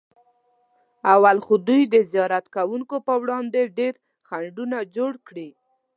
اول خو دوی د زیارت کوونکو پر وړاندې ډېر خنډونه جوړ کړي.